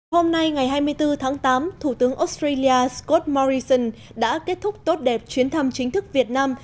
hôm nay ngày hai mươi bốn tháng tám thủ tướng australia scott morrison đã kết thúc tốt đẹp chuyến thăm chính thức việt nam